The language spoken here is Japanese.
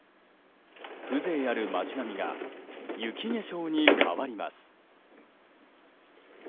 風情ある街並みが雪化粧に変わります。